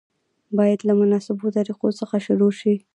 باید له مناسبو طریقو څخه شروع شي.